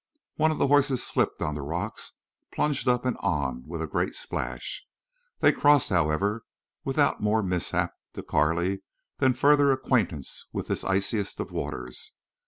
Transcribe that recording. One of the horses slipped on the rocks, plunged up and on with great splash. They crossed, however, without more mishap to Carley than further acquaintance with this iciest of waters.